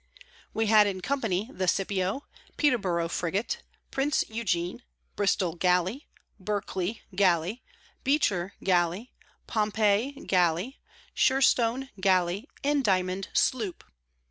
We had in Company the Scipio, Peterborough frigate, Prince Eugene, Bristol Galley, Berkely Galley, Beecher Galley, Pompey Galley, Sherstone Galley, and Diamond Sloop.